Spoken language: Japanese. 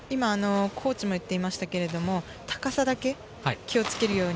コーチも言っていましたが、高さだけ気をつけるように。